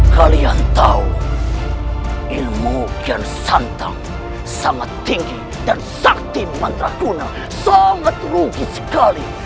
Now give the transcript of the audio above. kalian tahu ilmu kian santang sangat tinggi dan sakti menterakuna sangat rugi sekali